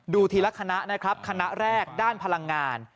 ทีละคณะนะครับคณะแรกด้านพลังงาน